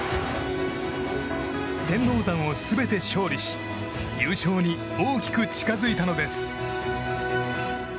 天王山を全て勝利し優勝に大きく近づいたのです。